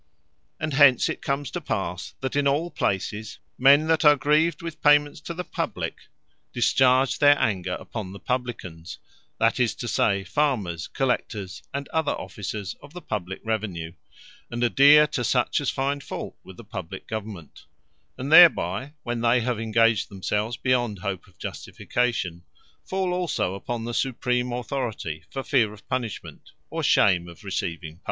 And hence it comes to passe, that in all places, men that are grieved with payments to the Publique, discharge their anger upon the Publicans, that is to say, Farmers, Collectors, and other Officers of the publique Revenue; and adhaere to such as find fault with the publike Government; and thereby, when they have engaged themselves beyond hope of justification, fall also upon the Supreme Authority, for feare of punishment, or shame of receiving pardon.